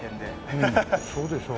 そうでしょ。